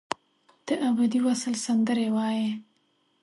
دابدي وصل سندرې وایې